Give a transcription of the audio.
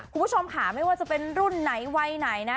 คุณผู้ชมค่ะไม่ว่าจะเป็นรุ่นไหนวัยไหนนะ